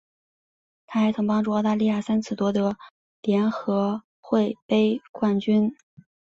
她还曾帮助澳大利亚三次夺得联合会杯冠军。